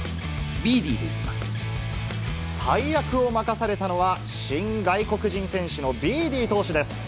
大役を任されたのは、新外国人選手のビーディ投手です。